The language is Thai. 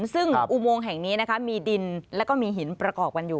ซึ่งอุโมงแห่งนี้นะคะมีดินแล้วก็มีหินประกอบกันอยู่